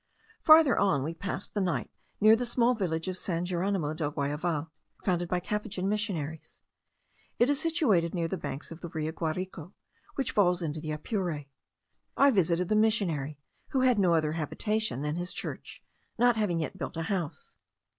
Farther on we passed the night near the small village of San Geronymo del Guayaval, founded by Capuchin missionaries. It is situated near the banks of the Rio Guarico, which falls into the Apure. I visited the missionary, who had no other habitation than his church, not having yet built a house.